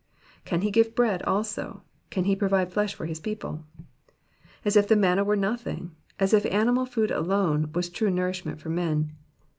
Can he gite bread also? can he provide flesh for his people V^ As if the manna were nothing, as if animal food alone was true nourishment for men.